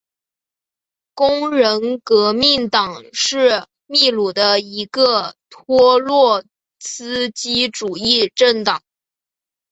工人革命党是秘鲁的一个托洛茨基主义政党。